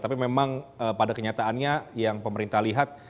tapi memang pada kenyataannya yang pemerintah lihat